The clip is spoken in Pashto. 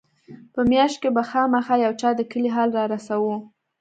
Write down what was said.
په مياشت کښې به خامخا يو چا د کلي حال رارساوه.